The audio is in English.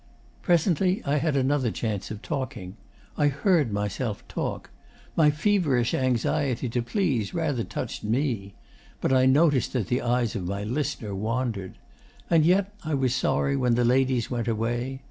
Presently I had another chance of talking. I heard myself talk. My feverish anxiety to please rather touched ME. But I noticed that the eyes of my listener wandered. And yet I was sorry when the ladies went away.